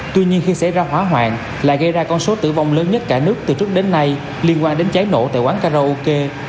tuy nhiên khi xảy ra hỏa hoạn lại gây ra con số tử vong lớn nhất cả nước từ trước đến nay liên quan đến cháy nổ tại quán karaoke